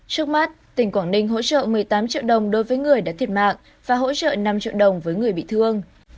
trước mắt tỉnh quảng ninh hỗ trợ một mươi tám triệu đồng đối với người đã thiệt mạng và hỗ trợ năm triệu đồng với người bị thương